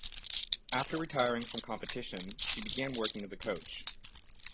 After retiring from competition, she began working as a coach.